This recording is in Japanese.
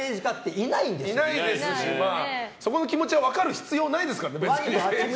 いないですしその気持ちが分かる必要ないですからね、別に。